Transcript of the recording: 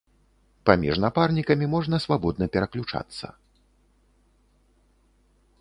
Паміж напарнікамі можна свабодна пераключацца.